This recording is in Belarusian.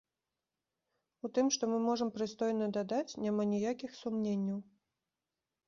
У тым, што мы можам прыстойна дадаць, няма ніякіх сумненняў.